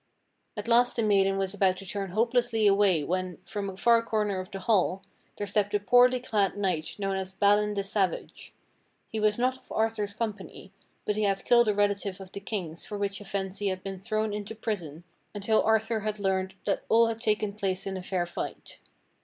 At last the maiden was about to turn hopelessly away when, from a far corner of the hall, there stepped a poorly clad knight knowm as Balin the Savage. He was not of Arthur's company; but he had killed a relative of the King's for which offence he had been throwm into prison until Arthur had learned that all had taken place in a fair fight.